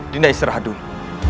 dinda istirahat dulu